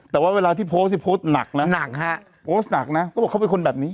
แต่ว่าเวลาที่โพสต์นี่โพสต์หนักนะหนักฮะโพสต์หนักนะก็บอกเขาเป็นคนแบบนี้